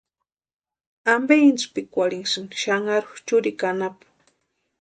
¿Ampe intspikwarhinhasïni xanharu churikwa anapu?